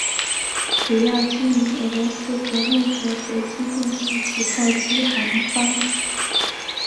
主要经营俄罗斯国内和国际定期及包机航班。